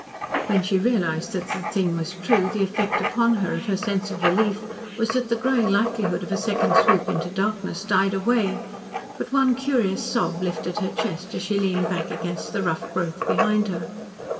When she realised that the thing was true, the effect upon her of her sense of relief was that the growing likelihood of a second swoop into darkness died away, but one curious sob lifted her chest as she leaned back against the rough growth behind her.